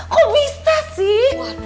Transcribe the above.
kok bisa sih